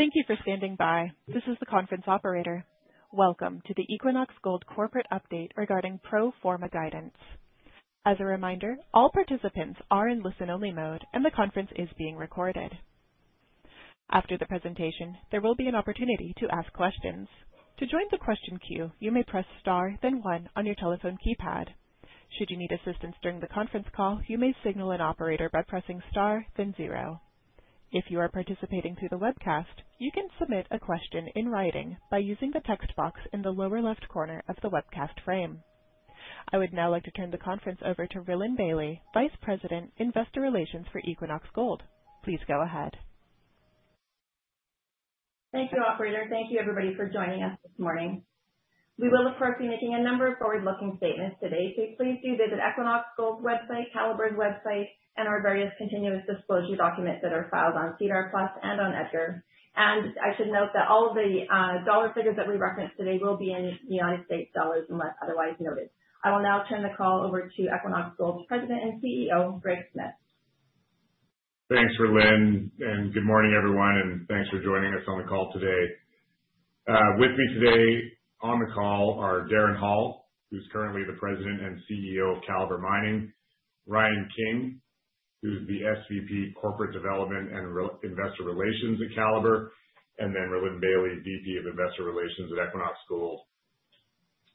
Thank you for standing by. This is the conference operator. Welcome to the Equinox Gold Corporate Update regarding pro forma guidance. As a reminder, all participants are in listen-only mode, and the conference is being recorded. After the presentation, there will be an opportunity to ask questions. To join the question queue, you may press star then one on your telephone keypad. Should you need assistance during the conference call, you may signal an operator by pressing star then zero. If you are participating through the webcast, you can submit a question in writing by using the text box in the lower left corner of the webcast frame. I would now like to turn the conference over to Rhylin Bailie, Vice President, Investor Relations for Equinox Gold. Please go ahead. Thank you, operator. Thank you everybody for joining us this morning. We will, of course, be making a number of forward-looking statements today, so please do visit Equinox Gold's website, Calibre's website, and our various continuous disclosure documents that are filed on SEDAR+ and on EDGAR. I should note that all of the dollar figures that we reference today will be in United States dollars, unless otherwise noted. I will now turn the call over to Equinox Gold's President and CEO, Greg Smith. Thanks, Rhylin, and good morning, everyone, and thanks for joining us on the call today. With me today on the call are Darren Hall, who's currently the President and CEO of Calibre Mining; Ryan King, who's the SVP Corporate Development and Investor Relations at Calibre; and then Rhylin Bailie, VP of Investor Relations at Equinox Gold.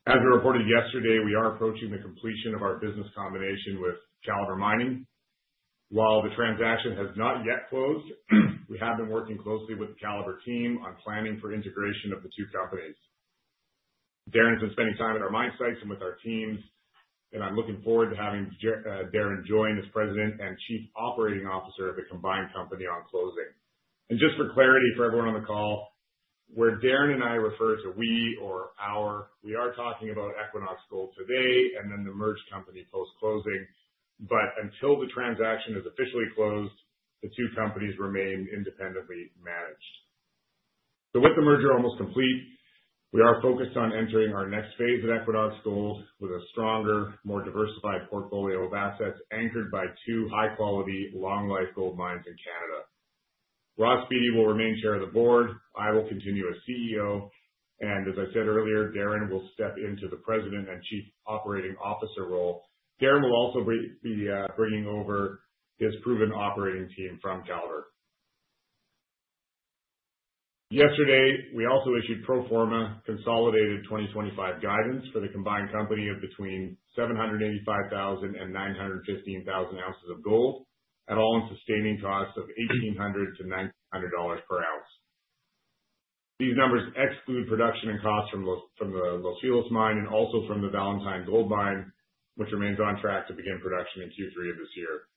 As we reported yesterday, we are approaching the completion of our business combination with Calibre Mining. While the transaction has not yet closed, we have been working closely with the Calibre team on planning for integration of the two companies. Darren's been spending time at our mine sites and with our teams, and I'm looking forward to having Darren join as President and Chief Operating Officer of the combined company on closing. And just for clarity, for everyone on the call, where Darren and I refer to "we" or "our," we are talking about Equinox Gold today and then the merged company post-closing, but until the transaction is officially closed, the two companies remain independently managed. So with the merger almost complete, we are focused on entering our next phase at Equinox Gold with a stronger, more diversified portfolio of assets anchored by two high quality, long-life gold mines in Canada. Ross Beaty will remain chair of the board, I will continue as CEO, and as I said earlier, Darren will step into the President and Chief Operating Officer role. Darren will also be bringing over his proven operating team from Calibre. Yesterday, we also issued pro forma consolidated 2025 guidance for the combined company of between 785,000 and 915,000 ounces of gold at all-in sustaining costs of $1,800-$1,900 per ounce. These numbers exclude production and cost from the Los Filos mine, and also from the Valentine Gold Mine, which remains on track to begin production in Q3 of this year.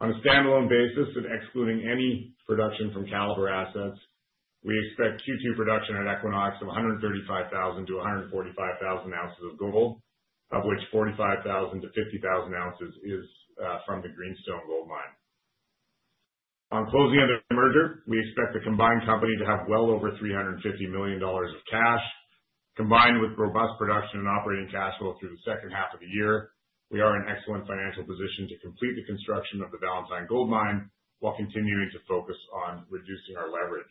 On a standalone basis and excluding any production from Calibre assets, we expect Q2 production at Equinox of 135,000-145,000 ounces of gold, of which 45,000-50,000 ounces is from the Greenstone Gold Mine. On closing of the merger, we expect the combined company to have well over $350 million of cash. Combined with robust production and operating cash flow through the second half of the year, we are in excellent financial position to complete the construction of the Valentine Gold Mine, while continuing to focus on reducing our leverage.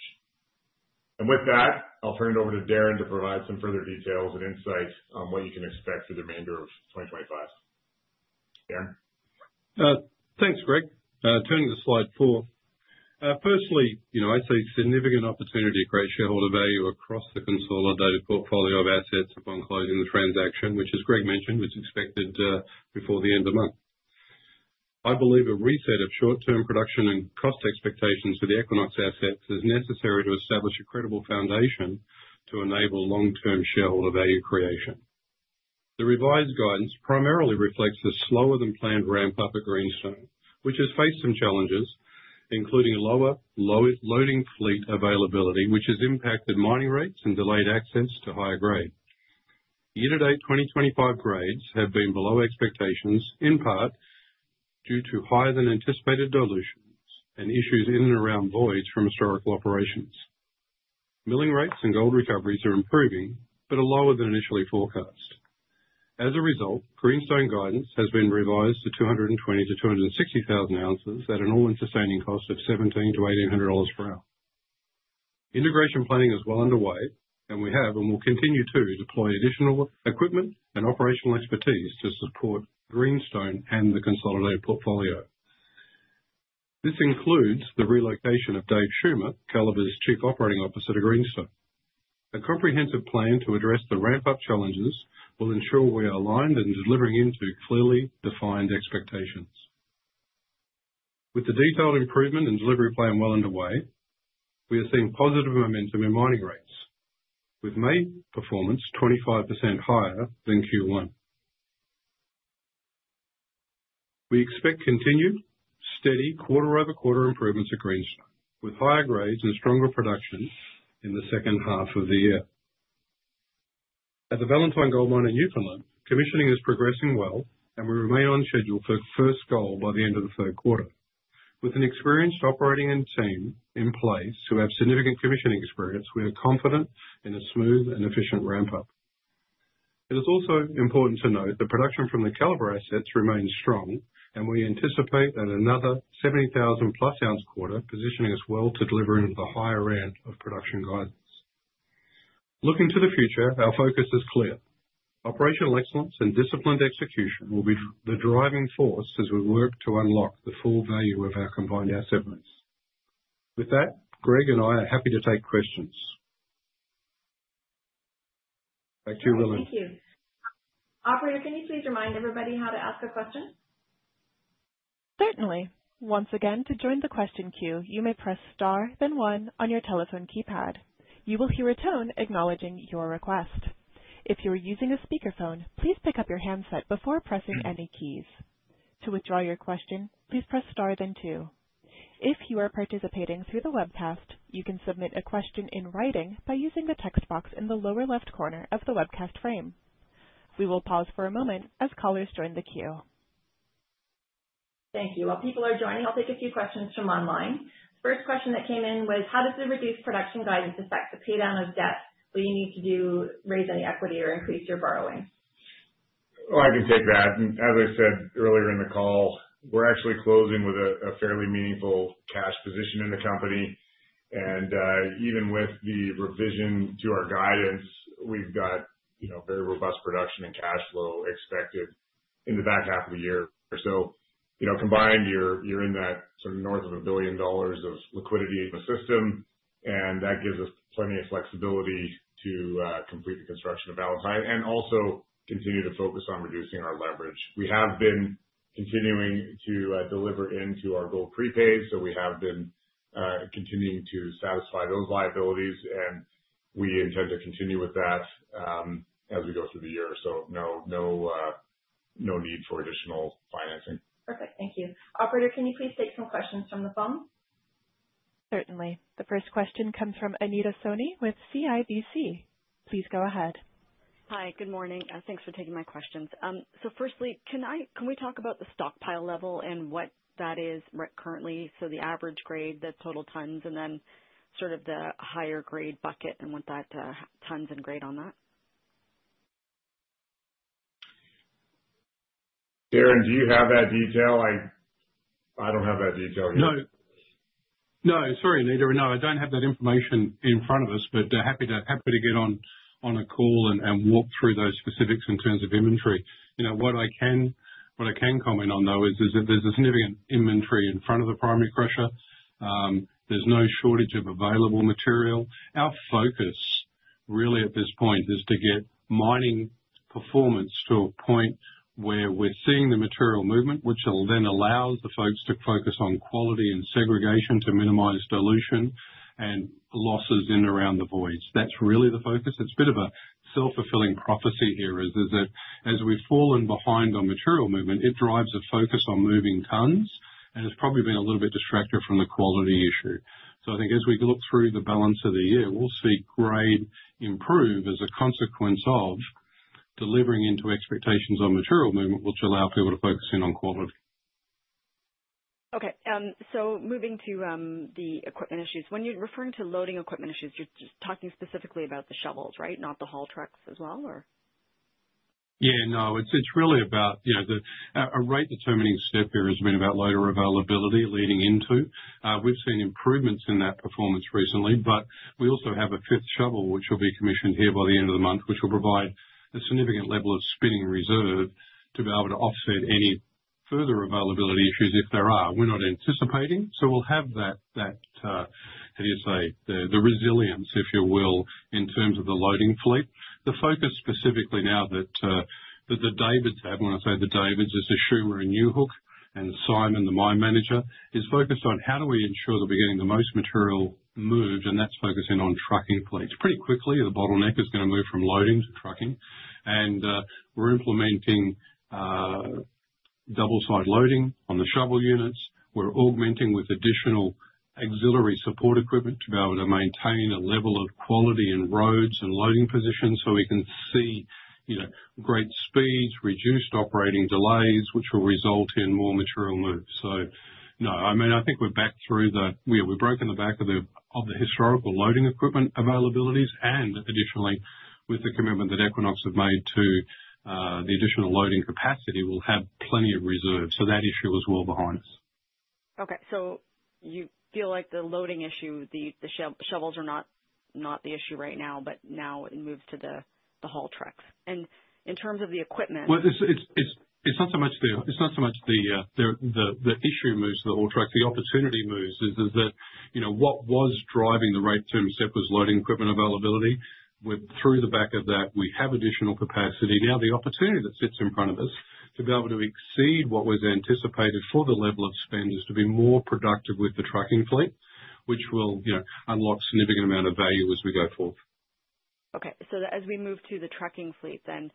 With that, I'll turn it over to Darren to provide some further details and insights on what you can expect for the remainder of 2025. Darren? Thanks, Greg. Turning to slide four. Firstly, you know, I see significant opportunity to create shareholder value across the consolidated portfolio of assets upon closing the transaction, which as Greg mentioned, is expected before the end of the month. I believe a reset of short-term production and cost expectations for the Equinox assets is necessary to establish a credible foundation to enable long-term shareholder value creation. The revised guidance primarily reflects a slower than planned ramp-up at Greenstone, which has faced some challenges, including lower loading fleet availability, which has impacted mining rates and delayed access to higher grade. Year to date, 2025 grades have been below expectations, in part due to higher than anticipated dilutions and issues in and around voids from historical operations. Milling rates and gold recoveries are improving, but are lower than initially forecast. As a result, Greenstone guidance has been revised to 220,000-260,000 ounces at an all-in sustaining cost of $1,700-$1,800 per ounce. Integration planning is well underway, and we have, and will continue to, deploy additional equipment and operational expertise to support Greenstone and the consolidated portfolio. This includes the relocation of David Schummer, Calibre's Chief Operating Officer, to Greenstone. A comprehensive plan to address the ramp-up challenges will ensure we are aligned and delivering into clearly defined expectations. With the detailed improvement and delivery plan well underway, we are seeing positive momentum in mining rates, with May performance 25% higher than Q1. We expect continued steady quarter-over-quarter improvements at Greenstone, with higher grades and stronger production in the second half of the year. At the Valentine Gold Mine in Newfoundland, commissioning is progressing well, and we remain on schedule for first gold by the end of the third quarter. With an experienced operating end team in place, who have significant commissioning experience, we are confident in a smooth and efficient ramp-up. It is also important to note that production from the Calibre assets remains strong, and we anticipate that another 70,000+ ounce quarter, positioning us well to deliver into the higher end of production guidance. Looking to the future, our focus is clear. Operational excellence and disciplined execution will be the driving force as we work to unlock the full value of our combined assets. With that, Greg and I are happy to take questions. Thank you, Rhylin. Thank you. Operator, can you please remind everybody how to ask a question? Certainly. Once again, to join the question queue, you may press star then one on your telephone keypad. You will hear a tone acknowledging your request. If you are using a speakerphone, please pick up your handset before pressing any keys. To withdraw your question, please press star then two. If you are participating through the webcast, you can submit a question in writing by using the text box in the lower left corner of the webcast frame. We will pause for a moment as callers join the queue. Thank you. While people are joining, I'll take a few questions from online. First question that came in was: how does the reduced production guidance affect the pay down of debt? Do you need to do, raise any equity or increase your borrowing? Well, I can take that, and as I said earlier in the call, we're actually closing with a fairly meaningful cash position in the company. And even with the revision to our guidance, we've got, you know, very robust production and cash flow expected in the back half of the year. So, you know, combined, you're in that sort of north of $1 billion of liquidity in the system, and that gives us plenty of flexibility to complete the construction of Valentine, and also continue to focus on reducing our leverage. We have been continuing to deliver into our gold prepaid, so we have been continuing to satisfy those liabilities, and we intend to continue with that as we go through the year. So no, no need for additional financing. Perfect. Thank you. Operator, can you please take some questions from the phone? Certainly. The first question comes from Anita Soni with CIBC. Please go ahead. Hi, good morning. Thanks for taking my questions. So firstly, can we talk about the stockpile level and what that is currently? So the average grade, the total tons, and then sort of the higher grade bucket, and what that, tons and grade on that. Darren, do you have that detail? I don't have that detail here. No. No, sorry, Anita. No, I don't have that information in front of us, but happy to get on a call and walk through those specifics in terms of inventory. You know, what I can comment on, though, is that there's a significant inventory in front of the primary crusher. There's no shortage of available material. Our focus, really, at this point, is to get mining performance to a point where we're seeing the material movement, which will then allow the folks to focus on quality and segregation to minimize dilution and losses in and around the voids. That's really the focus. It's a bit of a self-fulfilling prophecy here, that as we've fallen behind on material movement, it drives a focus on moving tons, and it's probably been a little bit distractive from the quality issue. I think as we look through the balance of the year, we'll see grade improve as a consequence of delivering into expectations on material movement, which allow people to focus in on quality. Okay, so moving to the equipment issues, when you're referring to loading equipment issues, you're just talking specifically about the shovels, right? Not the haul trucks as well, or? Yeah, no, it's, it's really about, you know, the a rate determining step here has been about loader availability leading into. We've seen improvements in that performance recently, but we also have a fifth shovel, which will be commissioned here by the end of the month, which will provide a significant level of spinning reserve to be able to offset any further availability issues, if there are. We're not anticipating, so we'll have that, that how do you say? The resilience, if you will, in terms of the loading fleet. The focus specifically now that the Davids have, when I say the Davids, it's Schumer and Newhook, and Simon, the mine manager, is focused on how do we ensure that we're getting the most material moved, and that's focusing on trucking fleets. Pretty quickly, the bottleneck is gonna move from loading to trucking, and we're implementing double-side loading on the shovel units. We're augmenting with additional auxiliary support equipment to be able to maintain a level of quality in roads and loading positions so we can see, you know, great speeds, reduced operating delays, which will result in more material moved. So no, I mean, I think we've broken the back of the historical loading equipment availabilities, and additionally, with the commitment that Equinox have made to the additional loading capacity, we'll have plenty of reserves. So that issue is well behind us. Okay, so you feel like the loading issue, the shovels are not the issue right now, but now it moves to the haul trucks. And in terms of the equipment- Well, it's not so much the issue moves to the haul trucks, the opportunity moves. It's that, you know, what was driving the rate to separate was loading equipment availability. Through the back of that, we have additional capacity. Now, the opportunity that sits in front of us to be able to exceed what was anticipated for the level of spend is to be more productive with the trucking fleet, which will, you know, unlock significant amount of value as we go forward. Okay. So as we move to the trucking fleet then,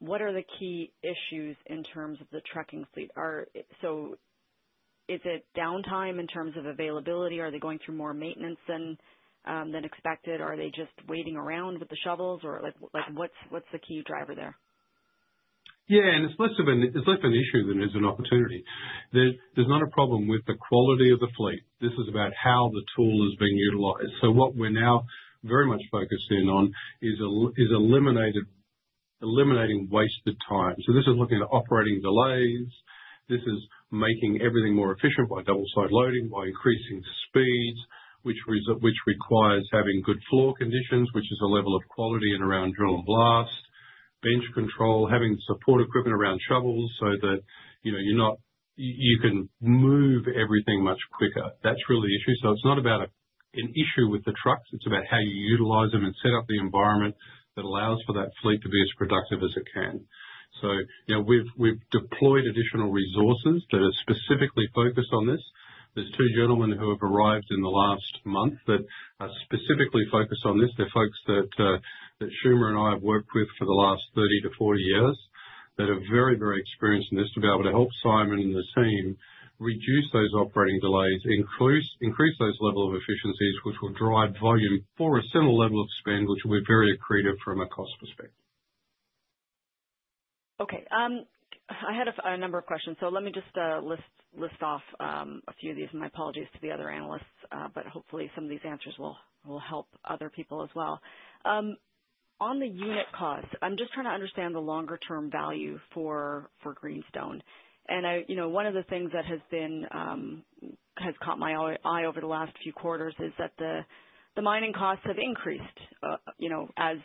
what are the key issues in terms of the trucking fleet? So is it downtime in terms of availability? Are they going through more maintenance than expected? Are they just waiting around with the shovels? Or like, what's the key driver there? Yeah, and it's less an issue than it is an opportunity. There's not a problem with the quality of the fleet. This is about how the tool is being utilized. So what we're now very much focused in on is eliminating wasted time. So this is looking at operating delays. This is making everything more efficient by double-side loading, by increasing speeds, which requires having good floor conditions, which is a level of quality in and around drill and blast, bench control, having support equipment around shovels so that, you know, you can move everything much quicker. That's really the issue. So it's not about an issue with the trucks, it's about how you utilize them and set up the environment that allows for that fleet to be as productive as it can. So, you know, we've deployed additional resources that are specifically focused on this. There's two gentlemen who have arrived in the last month that are specifically focused on this. They're folks that, that Schumer and I have worked with for the last 30-40 years, that are very, very experienced in this, to be able to help Simon and the team reduce those operating delays, increase, increase those level of efficiencies, which will drive volume for a similar level of spend, which will be very accretive from a cost perspective. Okay, I had a number of questions, so let me just list off a few of these, and my apologies to the other analysts, but hopefully some of these answers will help other people as well. On the unit costs, I'm just trying to understand the longer term value for Greenstone. And I... You know, one of the things that has been has caught my eye over the last few quarters is that the mining costs have increased, you know, as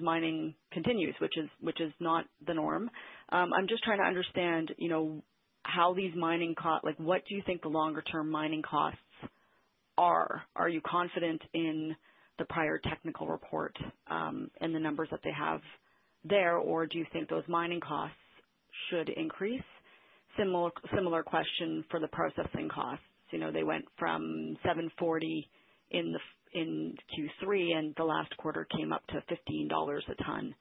mining continues, which is not the norm. I'm just trying to understand, you know, how these mining costs—like, what do you think the longer term mining costs are? Are you confident in the prior technical report and the numbers that they have there, or do you think those mining costs should increase? Similar, similar question for the processing costs. You know, they went from $7.40 in Q3, and the last quarter came up to $15 a ton,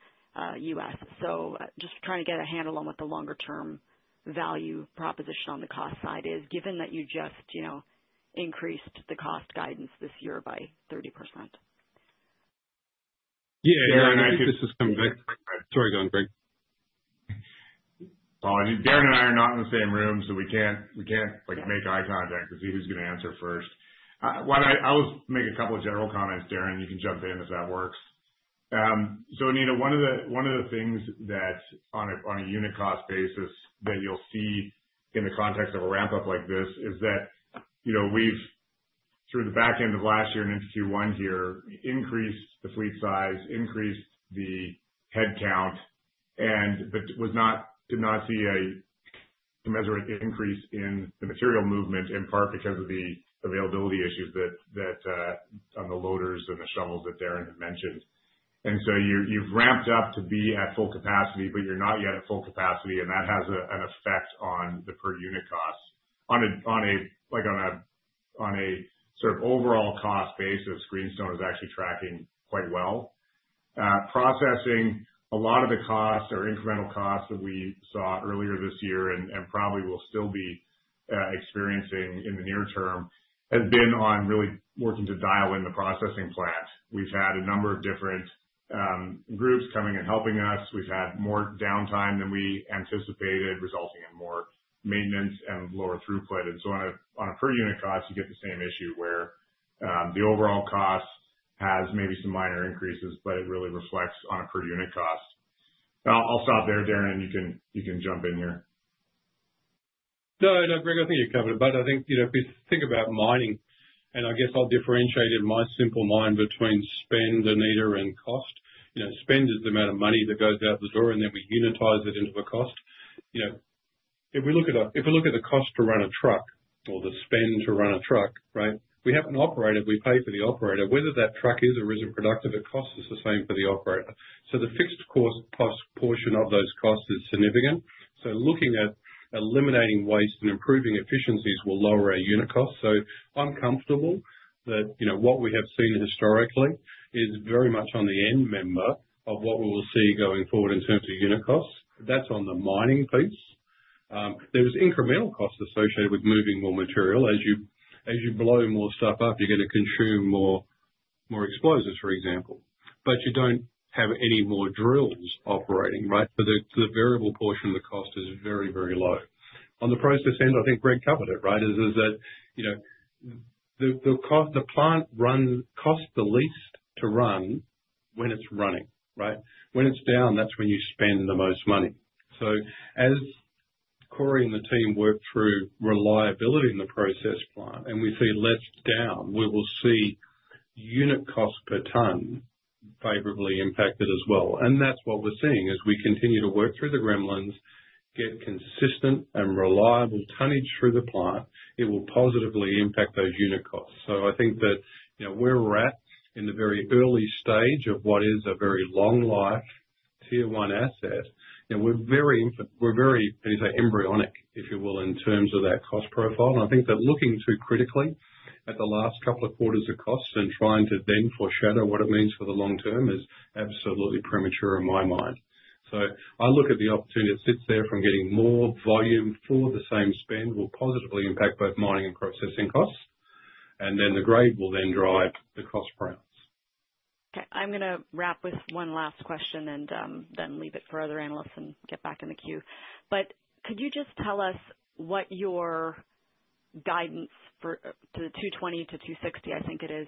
US. So, just trying to get a handle on what the longer term value proposition on the cost side is, given that you just, you know, increased the cost guidance this year by 30%. Yeah, and I- This is from Greg. Sorry, go on, Greg. Oh, Darren and I are not in the same room, so we can't, we can't, like, make eye contact to see who's gonna answer first. Why don't I, I'll just make a couple of general comments, Darren, you can jump in if that works. So Anita, one of the things that on a unit cost basis that you'll see in the context of a ramp up like this is that, you know, we've through the back end of last year and into Q1 here increased the fleet size, increased the headcount, and but did not see a commensurate increase in the material movement, in part because of the availability issues that on the loaders and the shovels that Darren had mentioned. You're ramped up to be at full capacity, but you're not yet at full capacity, and that has an effect on the per unit costs. On a like, sort of overall cost basis, Greenstone is actually tracking quite well. Processing, a lot of the costs or incremental costs that we saw earlier this year and probably will still be experiencing in the near term, has been on really working to dial in the processing plant. We've had a number of different groups coming and helping us. We've had more downtime than we anticipated, resulting in more maintenance and lower throughput. On a per unit cost, you get the same issue, where the overall cost has maybe some minor increases, but it really reflects on a per unit cost. I'll stop there, Darren, and you can jump in there. No, no, Greg, I think you covered it. But I think, you know, if we think about mining, and I guess I'll differentiate in my simple mind between spend, Anita, and cost. You know, spend is the amount of money that goes out the door, and then we unitize it into a cost. You know, if we look at the cost to run a truck or the spend to run a truck, right? We have an operator, we pay for the operator. Whether that truck is or isn't productive, it costs us the same for the operator. So the fixed cost, cost portion of those costs is significant. So looking at eliminating waste and improving efficiencies will lower our unit cost. So I'm comfortable that, you know, what we have seen historically is very much on the end member of what we will see going forward in terms of unit costs. That's on the mining piece. There's incremental costs associated with moving more material. As you, as you blow more stuff up, you're gonna consume more, more explosives, for example, but you don't have any more drills operating, right? So the, the variable portion of the cost is very, very low. On the process end, I think Greg covered it, right? Is, is that, you know, the, the cost, the plant runs, costs the least to run when it's running, right? When it's down, that's when you spend the most money. So as Corey and the team work through reliability in the process plant and we see less down, we will see unit cost per ton favorably impacted as well. That's what we're seeing. As we continue to work through the gremlins, get consistent and reliable tonnage through the plant, it will positively impact those unit costs. So I think that, you know, we're at, in the very early stage of what is a very long life Tier one asset, and we're very—we're very, as I say, embryonic, if you will, in terms of our cost profile. I think that looking too critically at the last couple of quarters of costs and trying to then foreshadow what it means for the long term is absolutely premature in my mind. So I look at the opportunity that sits there from getting more volume for the same spend, will positively impact both mining and processing costs, and then the grade will then drive the cost per ounce. I'm gonna wrap with one last question and, then leave it for other analysts and get back in the queue. But could you just tell us what your guidance for, to the 220-260, I think it is,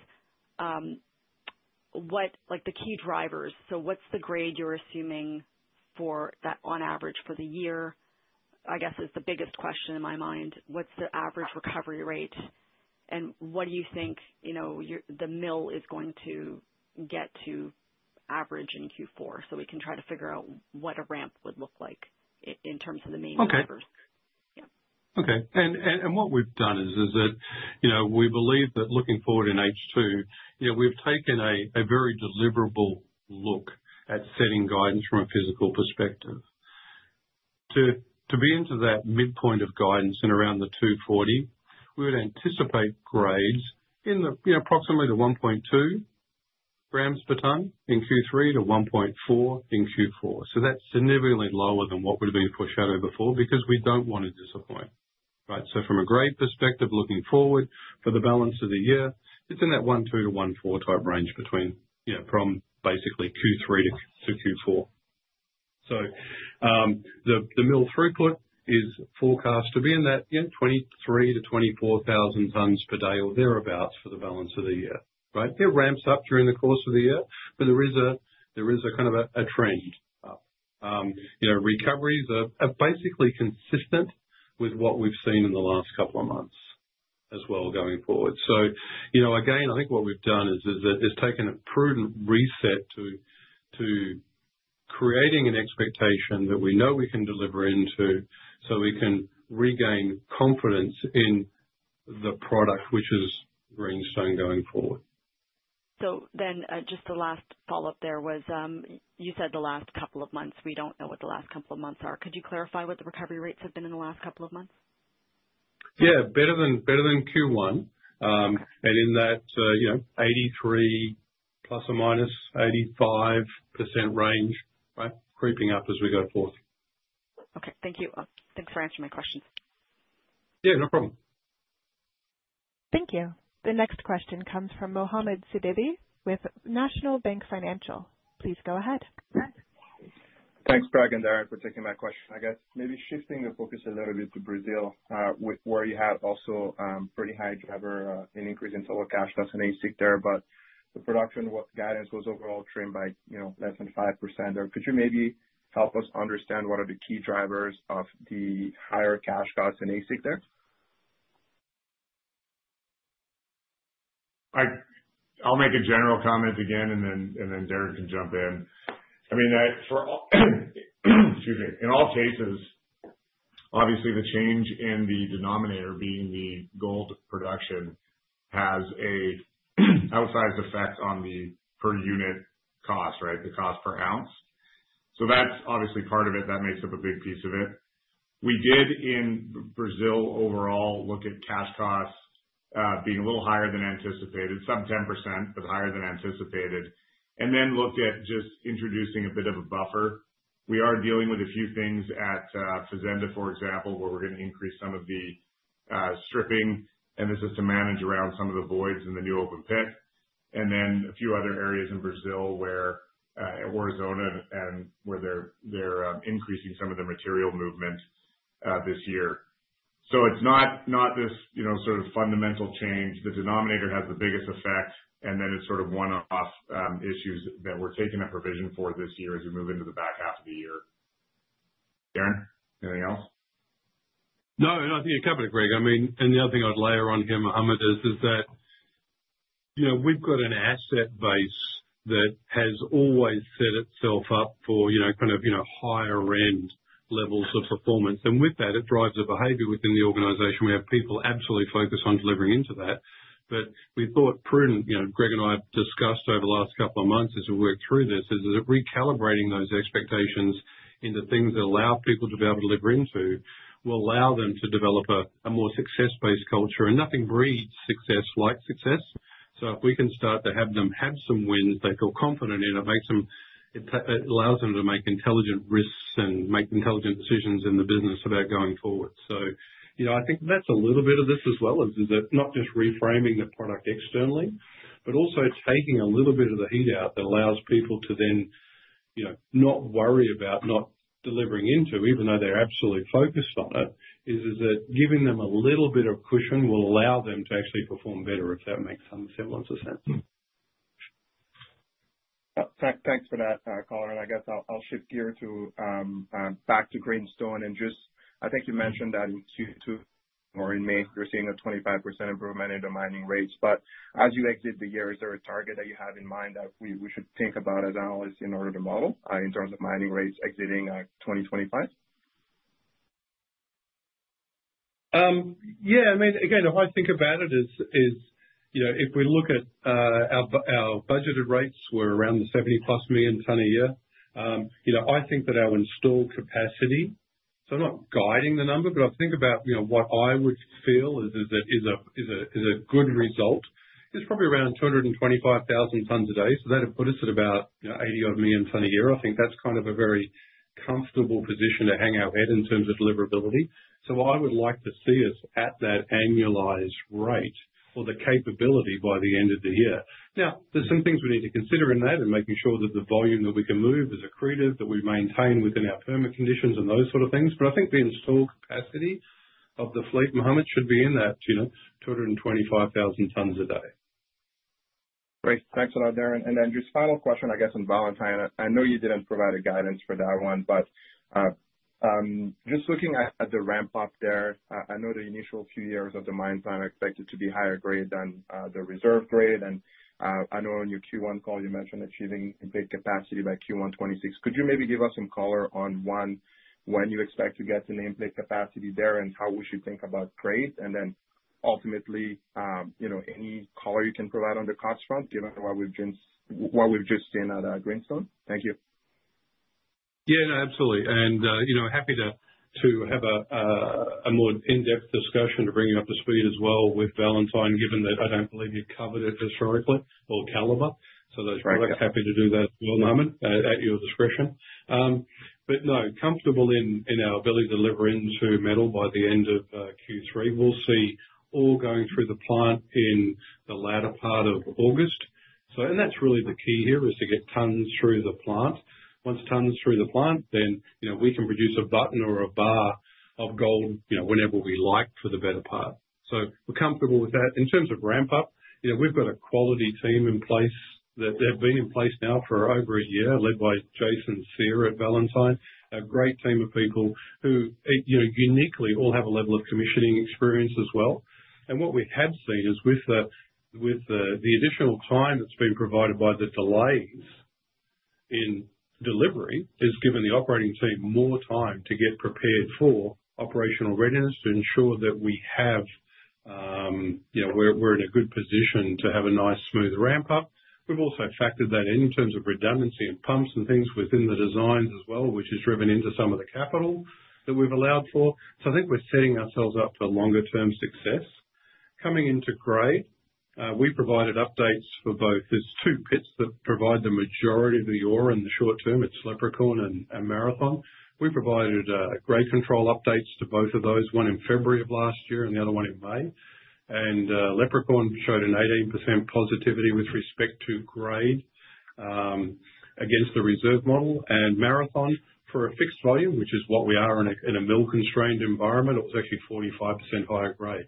what, like, the key drivers? So what's the grade you're assuming for that on average for the year, I guess, is the biggest question in my mind. What's the average recovery rate, and what do you think, you know, the mill is going to get to average in Q4? So we can try to figure out what a ramp would look like in terms of the main drivers. Okay. Yeah. Okay. And what we've done is that, you know, we believe that looking forward in H2, you know, we've taken a very deliverable look at setting guidance from a physical perspective. To be into that midpoint of guidance and around the 240, we would anticipate grades in the, you know, approximately the 1.2 grams per tonne in Q3 to 1.4 in Q4. So that's significantly lower than what would have been foreshadowed before, because we don't want to disappoint, right? So from a grade perspective, looking forward for the balance of the year, it's in that 1.2-1.4 type range between, you know, from basically Q3 to Q4. So, the mill throughput is forecast to be in that, you know, 23,000-24,000 tons per day or thereabout, for the balance of the year, right? It ramps up during the course of the year, but there is a kind of a trend up. You know, recoveries are basically consistent with what we've seen in the last couple of months as well, going forward. So, you know, again, I think what we've done is taken a prudent reset to creating an expectation that we know we can deliver into, so we can regain confidence in the product, which is Greenstone going forward. So then, just the last follow-up there was, you said the last couple of months. We don't know what the last couple of months are. Could you clarify what the recovery rates have been in the last couple of months? Yeah, better than, better than Q1. And in that, you know, 83% ±85% range, right? Creeping up as we go forward. Okay. Thank you. Thanks for answering my questions. Yeah, no problem. Thank you. The next question comes from Mohamed Sidibé with National Bank Financial. Please go ahead. Thanks, Greg and Darren, for taking my question. I guess maybe shifting the focus a little bit to Brazil, with where you have also pretty high driver, an increase in total cash, that's in AISC there, but the production guidance was overall trimmed by, you know, less than 5%. Or could you maybe help us understand what are the key drivers of the higher cash costs in AISC there? I'll make a general comment again, and then Darren can jump in. I mean, excuse me, in all cases, obviously the change in the denominator being the gold production, has an outsized effect on the per unit cost, right? The cost per ounce. So that's obviously part of it. That makes up a big piece of it. We did, in Brazil overall, look at cash costs being a little higher than anticipated, sub 10%, but higher than anticipated. And then looked at just introducing a bit of a buffer. We are dealing with a few things at Fazenda, for example, where we're gonna increase some of the stripping, and this is to manage around some of the voids in the new open pit. And then a few other areas in Brazil where, at Aurizona and where they're increasing some of the material movement, this year. So it's not, not this, you know, sort of fundamental change. The denominator has the biggest effect, and then it's sort of one-off issues that we're taking a provision for this year as we move into the back half of the year. Darren, anything else? No, nothing to add to, Greg. I mean, and the other thing I'd layer on here, Mohamed is, is that, you know, we've got an asset base that has always set itself up for, you know, kind of, you know, higher end levels of performance. And with that, it drives the behavior within the organization. We have people absolutely focused on delivering into that. But we thought prudent, you know, Greg and I have discussed over the last couple of months as we worked through this, is that recalibrating those expectations into things that allow people to be able to deliver into, will allow them to develop a, a more success-based culture. And nothing breeds success like success. So if we can start to have them have some wins they feel confident in, it makes them, it allows them to make intelligent risks and make intelligent decisions in the business about going forward. So, you know, I think that's a little bit of this as well, is that not just reframing the product externally, but also taking a little bit of the heat out, that allows people to then, you know, not worry about not delivering into, even though they're absolutely focused on it, is that giving them a little bit of cushion will allow them to actually perform better, if that makes some semblance of sense. Thanks for that color, and I guess I'll shift gear to back to Greenstone, and just, I think you mentioned that in Q2 or in May, you're seeing a 25% improvement in the mining rates. But as you exit the year, is there a target that you have in mind that we should think about as analysts in order to model in terms of mining rates exiting 2025? Yeah. I mean, again, if I think about it, you know, if we look at our budgeted rates were around the 70+ million tonnes a year, you know, I think that our installed capacity, so I'm not guiding the number, but I think about, you know, what I would feel is a good result, is probably around 225,000 tonnes a day. So that would put us at about, you know, 80-odd million tonnes a year. I think that's kind of a very comfortable position to hang our head in terms of deliverability, so I would like to see us at that annualized rate or the capability by the end of the year. Now, there's some things we need to consider in that, and making sure that the volume that we can move is accretive, that we maintain within our permit conditions and those sort of things. But I think the installed capacity of the fleet, Mohamed, should be in that, you know, 225,000 tons a day. Great. Thanks a lot, Darren. And then just final question, I guess, on Valentine. I know you didn't provide a guidance for that one, but just looking at the ramp up there, I know the initial few years of the mine plan are expected to be higher grade than the reserve grade. And I know in your Q1 call, you mentioned achieving in-pit capacity by Q1 2026. Could you maybe give us some color on one, when you expect to get to nameplate capacity there, and how we should think about grade? And then ultimately, you know, any color you can provide on the cost front, given what we've just seen at Greenstone? Thank you. Yeah, no, absolutely. And, you know, happy to have a more in-depth discussion to bring you up to speed as well with Valentine, given that I don't believe you've covered it historically, or Calibre. Right. So happy to do that with you, Mohamed, at your discretion. But no, comfortable in our ability to deliver into metal by the end of Q3. We'll see ore going through the plant in the latter part of August. So, and that's really the key here, is to get tons through the plant. Once tons are through the plant, then, you know, we can produce a button or a bar of gold, you know, whenever we like, for the better part. So we're comfortable with that. In terms of ramp up, you know, we've got a quality team in place, that they've been in place now for over a year, led by Jason Cyr at Valentine. A great team of people who, you know, uniquely all have a level of commissioning experience as well. And what we have seen is with the additional time that's been provided by the delays in delivery, has given the operating team more time to get prepared for operational readiness to ensure that we have, you know, we're in a good position to have a nice, smooth ramp up. We've also factored that in terms of redundancy and pumps and things within the designs as well, which has driven into some of the capital that we've allowed for. So I think we're setting ourselves up for longer term success. Coming into grade, we provided updates for both. There's two pits that provide the majority of the ore in the short term, it's Leprechaun and Marathon. We provided grade control updates to both of those, one in February of last year and the other one in May. Leprechaun showed an 18% positivity with respect to grade against the reserve model. Marathon, for a fixed volume, which is what we are in a mill-constrained environment, it was actually 45% higher grade.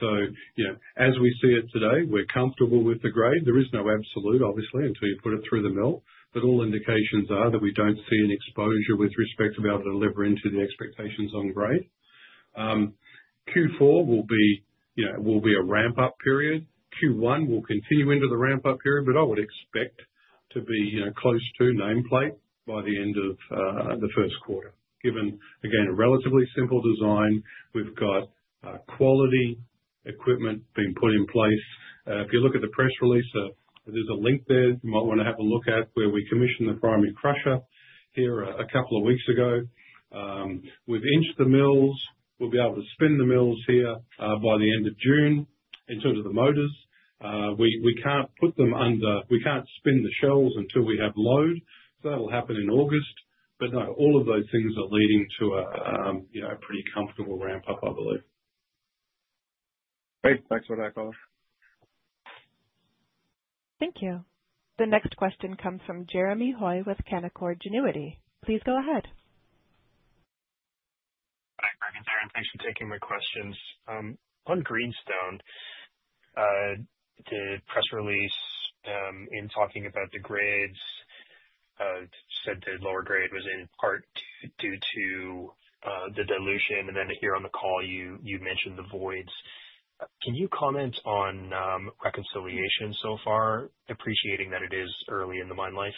So, you know, as we see it today, we're comfortable with the grade. There is no absolute, obviously, until you put it through the mill, but all indications are that we don't see an exposure with respect to be able to deliver into the expectations on grade. Q4 will be, you know, will be a ramp up period. Q1 will continue into the ramp up period, but I would expect to be, you know, close to nameplate by the end of the first quarter, given, again, a relatively simple design. We've got quality equipment being put in place. If you look at the press release, there's a link there you might wanna have a look at, where we commissioned the primary crusher here a couple of weeks ago. We've inched the mills. We'll be able to spin the mills here by the end of June. In terms of the motors, we can't put them under—we can't spin the shells until we have load, so that'll happen in August. But no, all of those things are leading to a you know, a pretty comfortable ramp up, I believe. Great. Thanks for that, Colin. Thank you. The next question comes from Jeremy Hoy with Canaccord Genuity. Please go ahead. Hi, good morning, Darren. Thanks for taking my questions. On Greenstone, the press release, in talking about the grades, said the lower grade was in part due to the dilution, and then here on the call you mentioned the voids. Can you comment on reconciliation so far, appreciating that it is early in the mine life?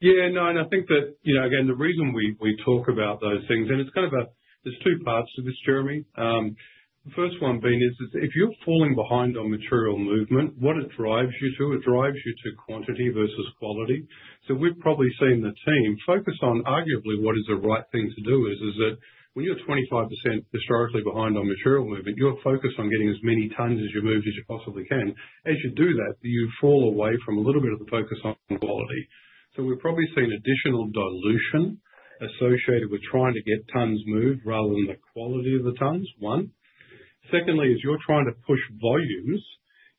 Yeah, no, and I think that, you know, again, the reason we talk about those things. And it's kind of a, there's two parts to this, Jeremy. The first one being is if you're falling behind on material movement, what it drives you to, it drives you to quantity versus quality. So we've probably seen the team focus on, arguably, what is the right thing to do is that when you're 25% historically behind on material movement, you're focused on getting as many tons as you moved as you possibly can. As you do that, you fall away from a little bit of the focus on quality. So we've probably seen additional dilution associated with trying to get tons moved rather than the quality of the tons, one. Secondly, as you're trying to push volumes,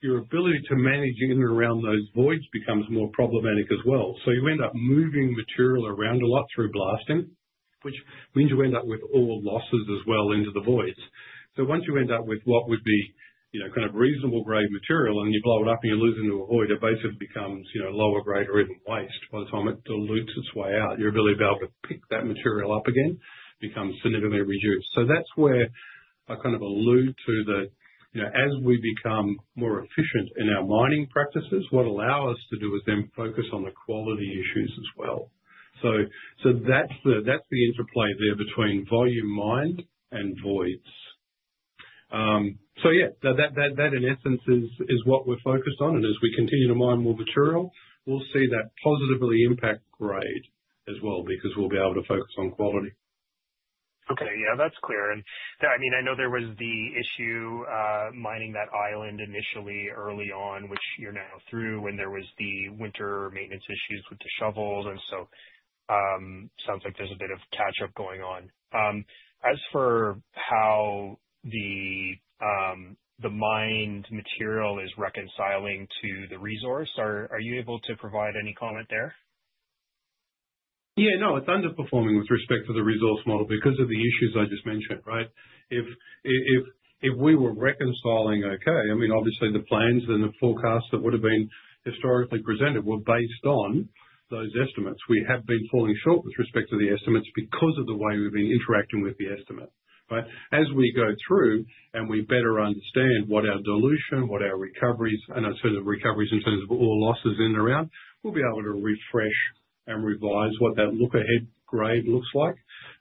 your ability to manage in and around those voids becomes more problematic as well. So you end up moving material around a lot through blasting, which means you end up with ore losses as well into the voids. So once you end up with what would be, you know, kind of reasonable grade material, and you blow it up and you lose it into a void, it basically becomes, you know, lower grade or even waste by the time it dilutes its way out. Your ability to be able to pick that material up again becomes significantly reduced. So that's where I kind of allude to the, you know, as we become more efficient in our mining practices, what allow us to do is then focus on the quality issues as well. So that's the interplay there between volume mined and voids. So yeah, that in essence is what we're focused on, and as we continue to mine more material, we'll see that positively impact grade as well, because we'll be able to focus on quality.... Okay, yeah, that's clear. And, yeah, I mean, I know there was the issue, mining that island initially early on, which you're now through, when there was the winter maintenance issues with the shovels, and so, sounds like there's a bit of catch-up going on. As for how the mined material is reconciling to the resource, are you able to provide any comment there? Yeah, no, it's underperforming with respect to the resource model because of the issues I just mentioned, right? If we were reconciling okay, I mean, obviously the plans and the forecasts that would've been historically presented were based on those estimates. We have been falling short with respect to the estimates because of the way we've been interacting with the estimate, right? As we go through and we better understand what our dilution, what our recoveries, and in terms of recoveries, in terms of ore losses in and around, we'll be able to refresh and revise what that look-ahead grade looks like.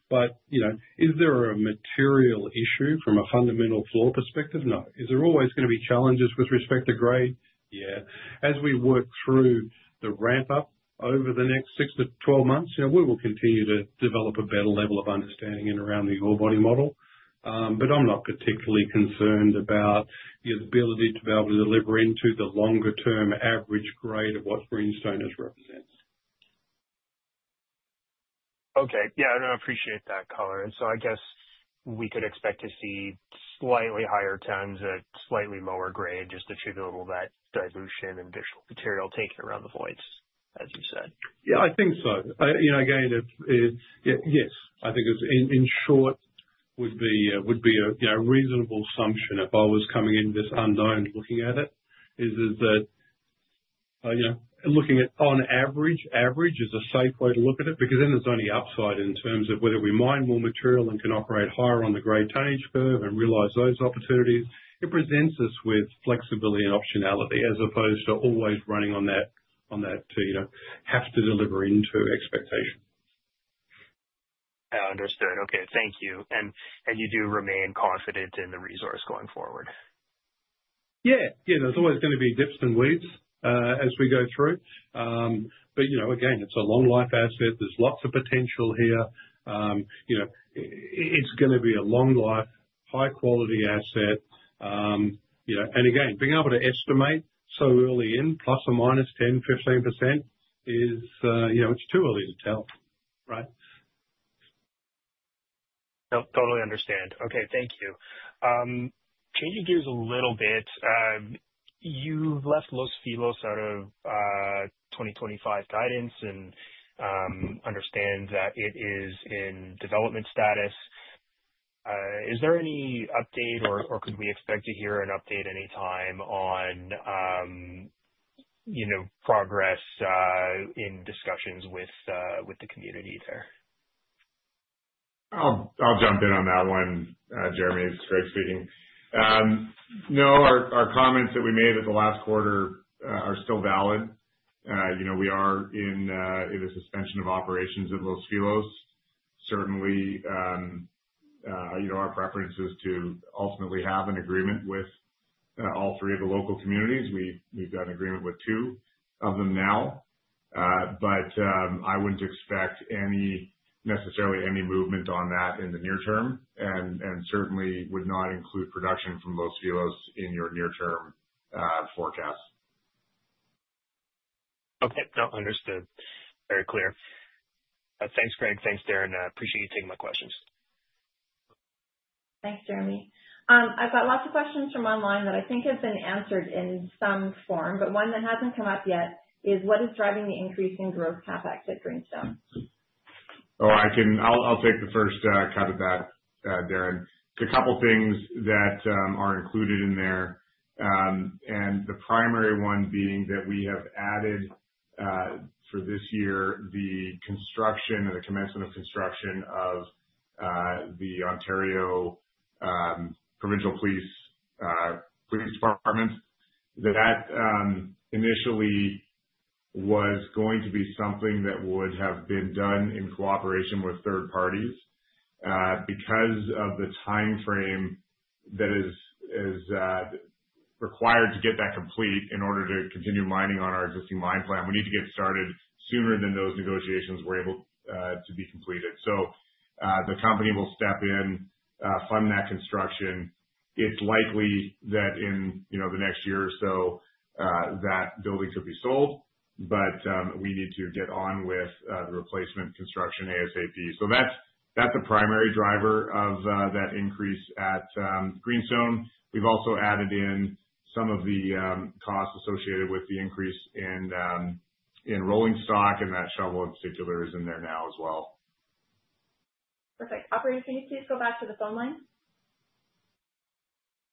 But, you know, is there a material issue from a fundamental floor perspective? No. Is there always gonna be challenges with respect to grade? Yeah. As we work through the ramp up over the next 6-12 months, yeah, we will continue to develop a better level of understanding in and around the ore body model. But I'm not particularly concerned about the ability to be able to deliver into the longer term average grade of what Greenstone has represented. Okay. Yeah, no, I appreciate that color. And so I guess we could expect to see slightly higher tons at slightly lower grade, just attributable to that dilution and additional material taken around the voids, as you said. Yeah, I think so. You know, again, if yes, I think it's, in short, would be a, you know, reasonable assumption if I was coming into this unknown looking at it, is that, you know, looking at on average, average is a safe way to look at it, because then there's only upside in terms of whether we mine more material and can operate higher on the grade change curve and realize those opportunities. It presents us with flexibility and optionality, as opposed to always running on that, on that to, you know, have to deliver into expectations. Understood. Okay, thank you. And you do remain confident in the resource going forward? Yeah. Yeah, there's always gonna be dips and weaves as we go through. But, you know, again, it's a long life asset. There's lots of potential here. You know, it's gonna be a long life, high quality asset. You know, and again, being able to estimate so early in, ±10%-15% is, you know, it's too early to tell, right? No, totally understand. Okay, thank you. Changing gears a little bit, you've left Los Filos out of 2025 guidance and understand that it is in development status. Is there any update or could we expect to hear an update anytime on, you know, progress in discussions with the communities there? I'll jump in on that one. Jeremy, it's Greg speaking. No, our comments that we made at the last quarter are still valid. You know, we are in a suspension of operations at Los Filos. Certainly, you know, our preference is to ultimately have an agreement with all three of the local communities. We've got an agreement with two of them now. But, I wouldn't expect any necessarily any movement on that in the near term, and certainly would not include production from Los Filos in your near-term forecast. Okay. No, understood. Very clear. Thanks, Greg. Thanks, Darren, appreciate you taking my questions. Thanks, Jeremy. I've got lots of questions from online that I think have been answered in some form, but one that hasn't come up yet is, what is driving the increase in growth CapEx at Greenstone? Oh, I can... I'll take the first cut at that, Darren. A couple things that are included in there, and the primary one being that we have added, for this year, the construction or the commencement of construction of the Ontario Provincial Police police department. That initially was going to be something that would have been done in cooperation with third parties. Because of the timeframe that is required to get that complete in order to continue mining on our existing mine plan, we need to get started sooner than those negotiations were able to be completed. So, the company will step in, fund that construction. It's likely that in, you know, the next year or so, that building could be sold, but we need to get on with the replacement construction ASAP. So that's, that's the primary driver of that increase at Greenstone. We've also added in some of the costs associated with the increase in in rolling stock, and that shovel in particular is in there now as well. Perfect. Operator, can you please go back to the phone line?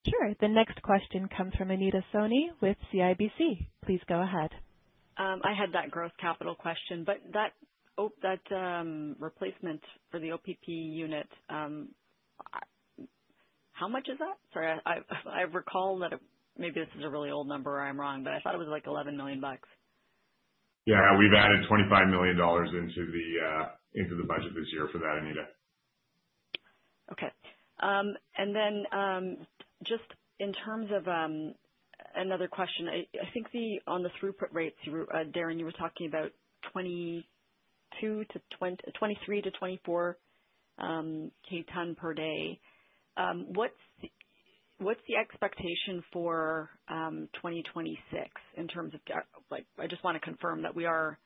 Sure. The next question comes from Anita Soni with CIBC. Please go ahead. I had that growth capital question, but that replacement for the OPP unit, how much is that? Sorry, I recall that it... Maybe this is a really old number or I'm wrong, but I thought it was like $11 million. Yeah, we've added $25 million into the budget this year for that, Anita. Then, just in terms of, another question, I, I think the, on the throughput rates, you were, Darren, you were talking about 22 to 23 to 24 K ton per day. What's the expectation for 2026 in terms of like... I just wanna confirm that we are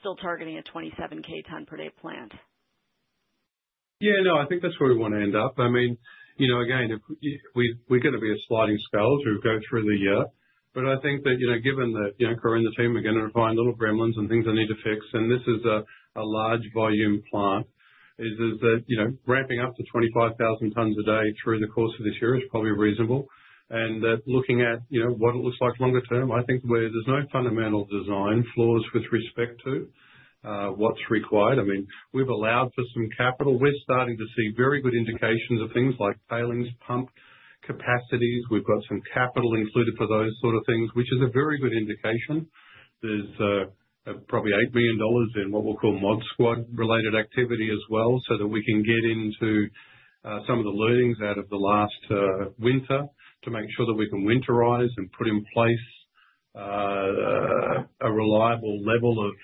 still targeting a 27 K ton per day plant? Yeah, no, I think that's where we wanna end up. I mean, you know, again, if we, we're gonna be a sliding scale as we go through the year, but I think that, you know, given that, you know, Corey and the team are gonna find little gremlins and things they need to fix, and this is a, a large volume plant, is that, you know, ramping up to 25,000 tons a day through the course of this year is probably reasonable. And that looking at, you know, what it looks like longer term, I think where there's no fundamental design flaws with respect to, what's required, I mean, we've allowed for some capital. We're starting to see very good indications of things like tailings pump capacities. We've got some capital included for those sort of things, which is a very good indication. There's probably $8 million in what we'll call mod squad related activity as well, so that we can get into some of the learnings out of the last winter, to make sure that we can winterize and put in place a reliable level of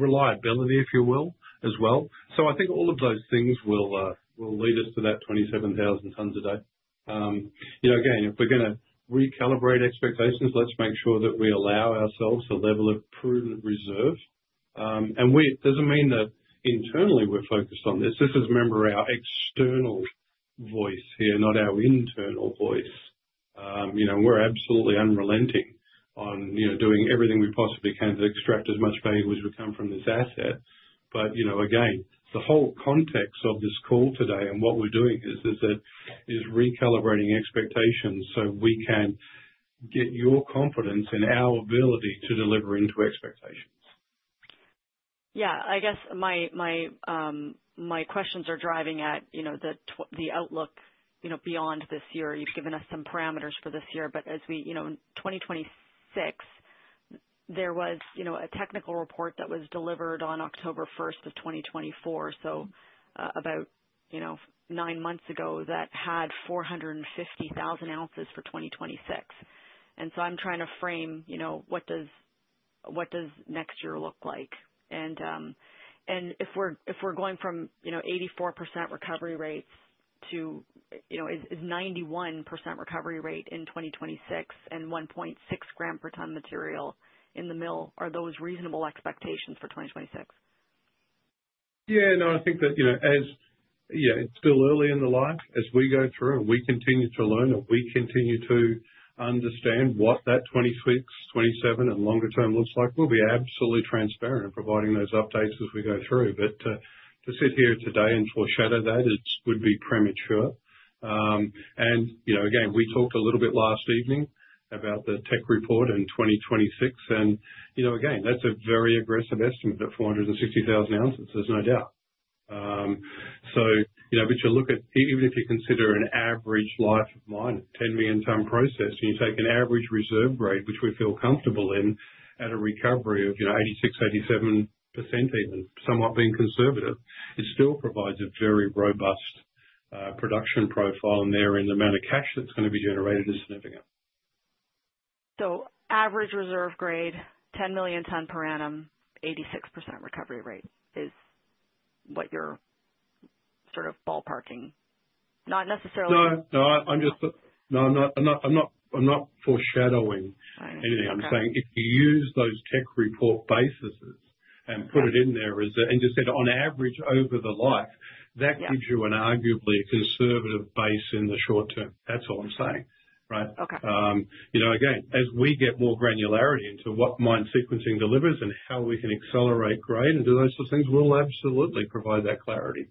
reliability, if you will, as well. So I think all of those things will lead us to that 27,000 tons a day. You know, again, if we're gonna recalibrate expectations, let's make sure that we allow ourselves a level of prudent reserve. And doesn't mean that internally we're focused on this. This is, remember, our external voice here, not our internal voice. You know, we're absolutely unrelenting on doing everything we possibly can to extract as much value as we can from this asset. You know, again, the whole context of this call today and what we're doing is recalibrating expectations, so we can get your confidence in our ability to deliver into expectations. Yeah, I guess my questions are driving at, you know, the outlook, you know, beyond this year. You've given us some parameters for this year, but as we... You know, in 2026, there was, you know, a technical report that was delivered on October 1, 2024, so, about, you know, nine months ago, that had 450,000 ounces for 2026. And so I'm trying to frame, you know, what does next year look like? And, and if we're going from, you know, 84% recovery rates to, you know, 91% recovery rate in 2026 and 1.6 gram per ton material in the mill, are those reasonable expectations for 2026? Yeah, no, I think that, you know, as. Yeah, it's still early in the life. As we go through and we continue to learn and we continue to understand what that 2026, 2027, and longer term looks like, we'll be absolutely transparent in providing those updates as we go through. But, to sit here today and foreshadow that, it would be premature. And, you know, again, we talked a little bit last evening about the tech report in 2026, and, you know, again, that's a very aggressive estimate, at 460,000 ounces, there's no doubt. So, you know, but you look at, even if you consider an average life of mine, 10 million ton process, and you take an average reserve grade, which we feel comfortable in, at a recovery of, you know, 86%-87% even, somewhat being conservative, it still provides a very robust, production profile there, and the amount of cash that's gonna be generated is significant. So average reserve grade, 10 million tons per annum, 86% recovery rate is what you're sort of ballparking? Not necessarily- No, no, I'm just... No, I'm not, I'm not, I'm not, I'm not foreshadowing anything. Okay. I'm saying if you use those tech report bases and put it in there as a- and just said on average over the life- Yeah. that gives you an arguably conservative base in the short term. That's all I'm saying, right? Okay. You know, again, as we get more granularity into what mine sequencing delivers and how we can accelerate grade and do those sort of things, we'll absolutely provide that clarity.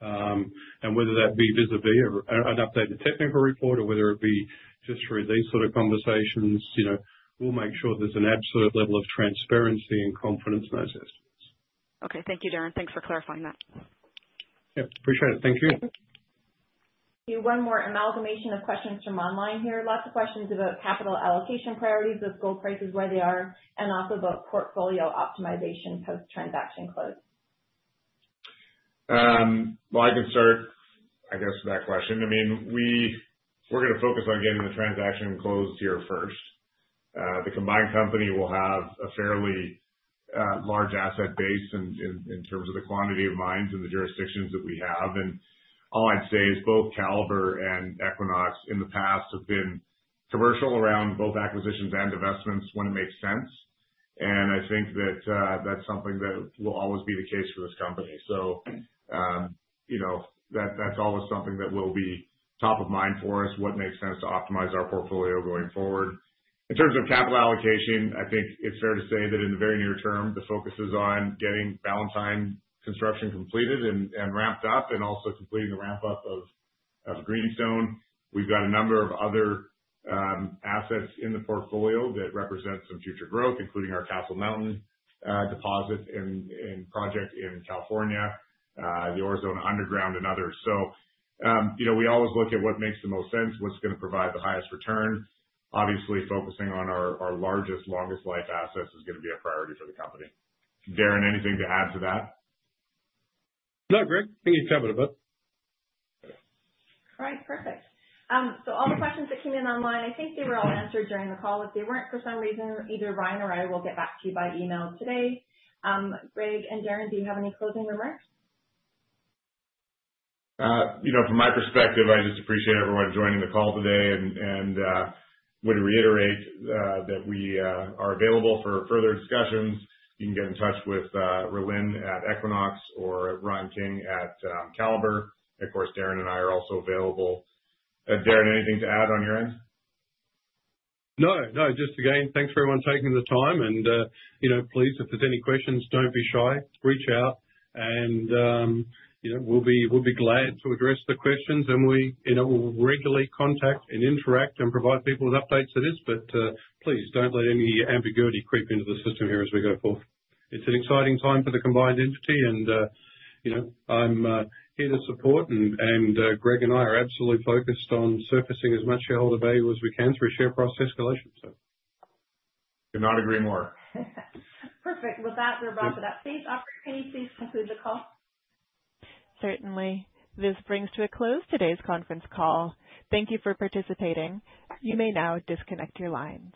And whether that be vis-a-vis or an updated technical report, or whether it be just through these sort of conversations, you know, we'll make sure there's an absolute level of transparency and confidence in those estimates. Okay. Thank you, Darren. Thanks for clarifying that. Yep, appreciate it. Thank you. One more amalgamation of questions from online here. Lots of questions about capital allocation priorities with gold prices where they are, and also about portfolio optimization post-transaction close. Well, I can start, I guess, with that question. I mean, we're gonna focus on getting the transaction closed here first. The combined company will have a fairly large asset base in terms of the quantity of mines in the jurisdictions that we have. And all I'd say is, both Calibre and Equinox in the past have been commercial around both acquisitions and divestments when it makes sense, and I think that that's something that will always be the case for this company. So, you know, that's always something that will be top of mind for us, what makes sense to optimize our portfolio going forward. In terms of capital allocation, I think it's fair to say that in the very near term, the focus is on getting Valentine construction completed and wrapped up, and also completing the ramp-up of Greenstone. We've got a number of other assets in the portfolio that represent some future growth, including our Castle Mountain deposit or project in California, the Aurizona Underground, and others. So, you know, we always look at what makes the most sense, what's gonna provide the highest return. Obviously, focusing on our largest, longest life assets is gonna be a priority for the company. Darren, anything to add to that? No, Greg, I think you covered it well. All right, perfect. All the questions that came in online, I think they were all answered during the call. If they weren't for some reason, either Ryan or I will get back to you by email today. Greg and Darren, do you have any closing remarks? You know, from my perspective, I just appreciate everyone joining the call today and would reiterate that we are available for further discussions. You can get in touch with Rhylin at Equinox or Ryan King at Calibre. Of course, Darren and I are also available. Darren, anything to add on your end? No, no, just again, thanks for everyone taking the time, and, you know, please, if there's any questions, don't be shy. Reach out and, you know, we'll be glad to address the questions. We, you know, we'll regularly contact and interact and provide people with updates to this, but, please, don't let any ambiguity creep into the system here as we go forward. It's an exciting time for the combined entity, and, you know, I'm here to support, and, Greg and I are absolutely focused on surfacing as much shareholder value as we can through share price escalation, so. Could not agree more. Perfect. With that, we'll wrap it up. Please, operator, can you please conclude the call? Certainly. This brings to a close today's conference call. Thank you for participating. You may now disconnect your line.